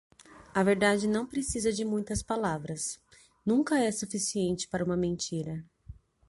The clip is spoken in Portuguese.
A verdade não precisa de muitas palavras, nunca é suficiente para uma mentira.